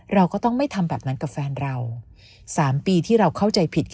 เราก็ต้องไม่ทำแบบนั้นกับแฟนเรา๓ปีที่เราเข้าใจผิด